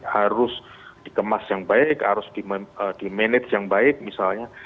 harus dikemas yang baik harus di manage yang baik misalnya